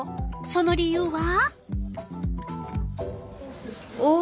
その理由は？